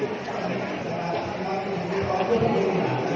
ขอบคุณการรับการเป็นโทษต่อมัน